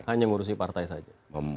hanya ngurusin partai saja